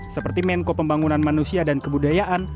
seperti menko pembangunan manusia dan kebudayaan